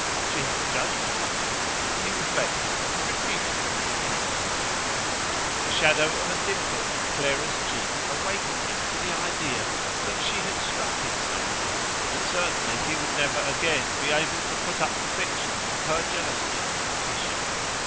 "She has judgement." He reflected and repeated his encomium. The shadow of a dimple in Clara's cheek awakened him to the idea that she had struck him somewhere: and certainly he would never again be able to put up the fiction of her jealousy of Laetitia.